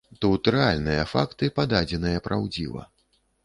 Тут рэальныя факты, пададзеныя праўдзіва.